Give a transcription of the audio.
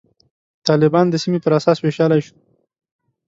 طالبان د سیمې پر اساس ویشلای شو.